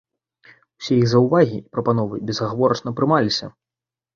Усе іх заўвагі і прапановы безагаворачна прымаліся.